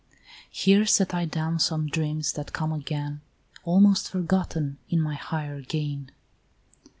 Here set I down some dreams that come again, Almost forgotten in my higher gain.